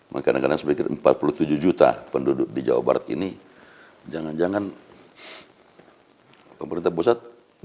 maka kadang kadang saya pikir empat puluh tujuh juta penduduk di jawa barat ini jangan jangan pemerintah pusat